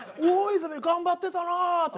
「大泉頑張ってたなぁ。